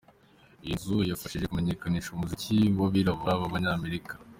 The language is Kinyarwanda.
Iyi nzu yafashije kumenyekanisha umuziki w’abirabura b’abanyamerika.